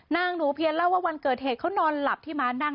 นางหนูเพียนเล่าว่าวันเกิดเหตุเขานอนหลับที่ม้านั่ง